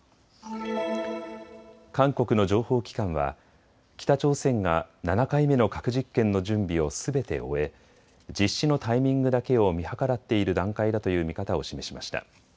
韓国の情報機関は北朝鮮が７回目の核実験の準備をすべて終え、実施のタイミングだけを見計らっている段階だという見方を示しました。